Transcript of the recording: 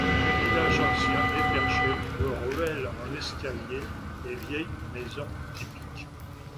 Village ancien et perché, aux ruelles en escaliers et vieilles maisons typiques.